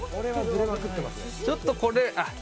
ちょっとこれ。